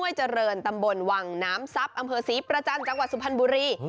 เจริญตำบลวังน้ำทรัพย์อำเภอศรีประจันทร์จังหวัดสุพรรณบุรี